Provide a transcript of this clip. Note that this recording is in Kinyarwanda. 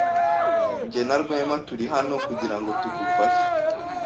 Jye na Rwema turi hano kugirango tugufashe.